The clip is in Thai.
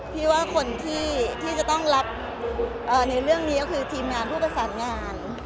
พี่ว่าคนที่จะต้องรับในเรื่องนี้ก็คือทีมงานผู้ประสานงาน